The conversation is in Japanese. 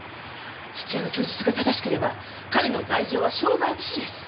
土屋の供述が正しければ彼の罪状は傷害致死です。